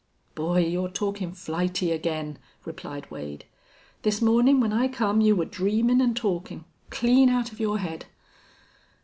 "Boy, you're talkin' flighty again," replied Wade. "This mornin' when I come you were dreamin' an' talkin' clean out of your head....